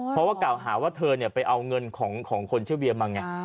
เพราะว่ากล่าวหาว่าเธอไปเอาเงินของคนชื่อเวียมาไง